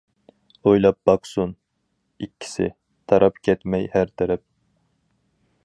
ئويلاپ باقسۇن ئىككىسى، تاراپ كەتمەي ھەر تەرەپ.